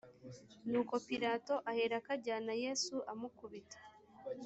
nuko pilato aherako ajyana yesu amukubita